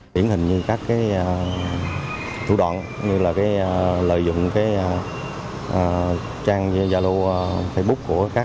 tiến hình như các cái thủ đoạn như là cái lợi dụng cái trang giao lưu facebook của các